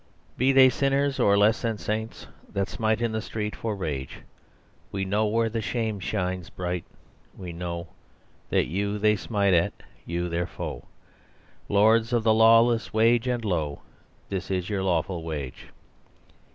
Be they sinners or less than saints That smite in the street for rage, We know where the shame shines bright; we know You that they smite at, you their foe, Lords of the lawless wage and low, This is your lawful wage.